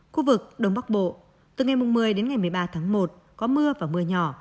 khu vực đông bắc bộ từ ngày một mươi một mươi ba một có mưa và mưa nhỏ